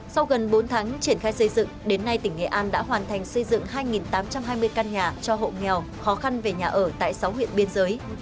sau gần bốn tháng triển khai xây dựng đến nay tỉnh nghệ an đã hoàn thành xây dựng hai tám trăm hai mươi căn nhà cho hộ nghèo khó khăn về nhà ở tại sáu huyện biên giới